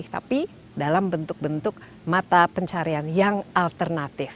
tapi dalam bentuk bentuk mata pencarian yang alternatif